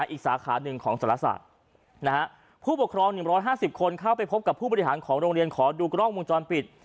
อีกสาขาหนึ่งของสารศาสตร์ผู้ปกครอง๑๕๐คนเข้าไปพบกับผู้บริหารของโรงเรียนขอดูกล้องวงจรปิด